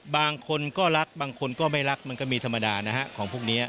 บางคนก็รักบางคนก็ไม่รักมันก็มีธรรมดานะฮะของพวกนี้